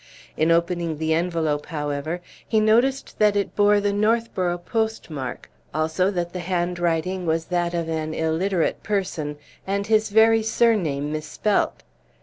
In opening the envelope, however, he noticed that it bore the Northborough postmark, also that the handwriting was that of an illiterate person, and his very surname misspelt.